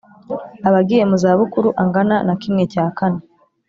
abagiye mu zabukuru angana na kimwe cya kane